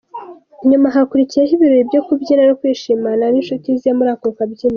Nyuma hakurikiyeho ibirori byo kubyina no kwishimana n’inshuti ze muri ako kabyiniro.